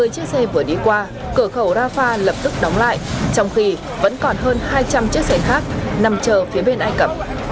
hai mươi chiếc xe vừa đi qua cửa khẩu rafah lập tức đóng lại trong khi vẫn còn hơn hai trăm linh chiếc xe khác nằm chờ phía bên ai cập